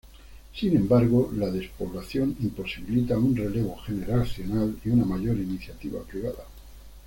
Sin embargo la despoblación imposibilita un relevo generacional y una mayor iniciativa privada.